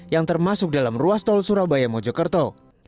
yang termasuk dalam ruas tol surabaya mojokerto